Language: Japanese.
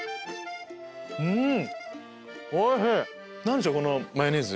うんおいしい！